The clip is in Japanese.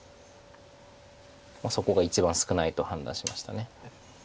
そこが一番少ないと判断しました。